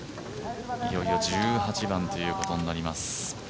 いよいよ１８番ということになります。